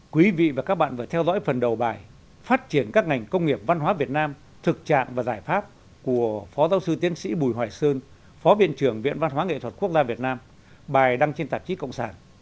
quý vị và các bạn vừa theo dõi phần đầu bài phát triển các ngành công nghiệp văn hóa việt nam thực trạng và giải pháp của phó giáo sư tiến sĩ bùi hoài sơn phó viện trưởng viện văn hóa nghệ thuật quốc gia việt nam bài đăng trên tạp chí cộng sản